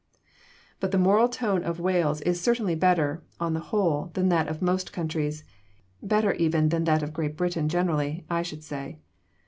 But the moral tone of Wales is certainly better, on the whole, than that of most countries better even than that of Great Britain generally, I should say.